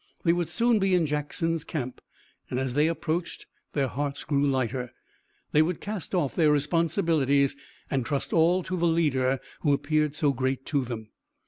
They would soon be in Jackson's camp, and as they approached their hearts grew lighter. They would cast off their responsibilities and trust all to the leader who appeared so great to them.